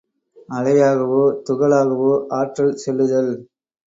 அலையாகவோ துகளாகவோ ஆற்றல் செல்லுதல்.